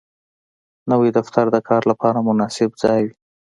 نوی دفتر د کار لپاره مناسب ځای وي